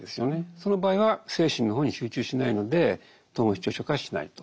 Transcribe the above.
その場合は精神の方に集中してないので統合失調症化はしないと。